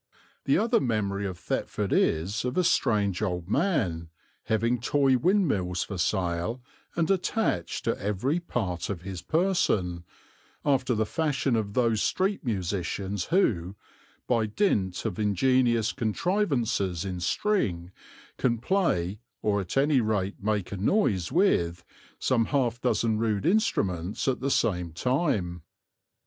The other memory of Thetford is of a strange old man, having toy windmills for sale and attached to every part of his person, after the fashion of those street musicians who, by dint of ingenious contrivances in string, can play, or at any rate make a noise with, some half dozen rude instruments at the same time.